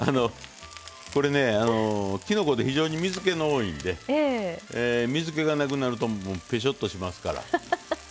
これねきのこって非常に水けが多いんで水けがなくなるとぺしょっとしますから。